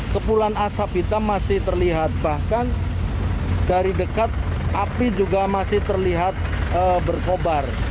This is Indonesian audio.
kepulan asap hitam masih terlihat bahkan dari dekat api juga masih terlihat berkobar